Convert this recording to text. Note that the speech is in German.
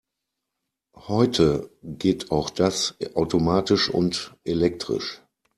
Heute geht auch das automatisch und elektrisch.